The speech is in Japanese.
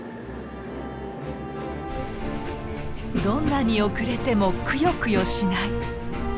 どんなに遅れてもクヨクヨしない。